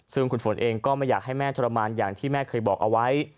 ซึ่งคุณฝนเองก็ไม่อยากให้แม่ทรมานอย่างที่แม่เคยบอกเอาไว้